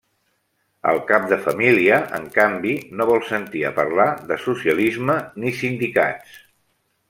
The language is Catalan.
El cap de família, en canvi, no vol sentir a parlar de socialisme ni sindicats.